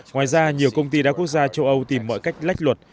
ngoài ra nhiều công ty đa quốc gia châu âu tìm mọi cách lách luật